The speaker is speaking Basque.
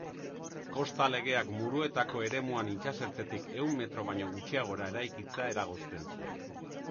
Kosta Legeak Muruetako eremuan itsasertzetik ehun metro baino gutxiagora eraikitzea eragozten zuen.